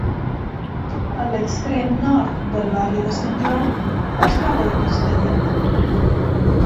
A l'extrem nord del barri de Sant Joan es troba el Castellet.